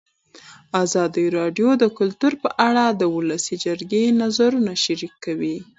ازادي راډیو د کلتور په اړه د ولسي جرګې نظرونه شریک کړي.